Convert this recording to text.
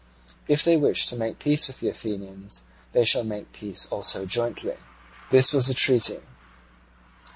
If they wish to make peace with the Athenians, they shall make peace also jointly. This was the treaty.